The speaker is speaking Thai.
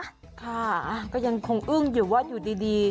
ค่ะก็ยังคงอึ้งอยู่ว่าอยู่ดี